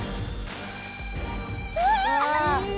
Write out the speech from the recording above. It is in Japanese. うわ！